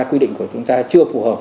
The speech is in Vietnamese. quy định của chúng ta chưa phù hợp